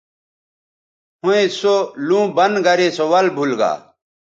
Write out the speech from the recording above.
ھویں سو لُوں بند گرے سو ول بُھول گا